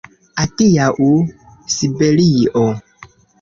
Adiaŭ, Siberio!”